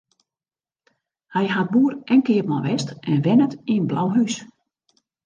Hy hat boer en keapman west en wennet yn Blauhús.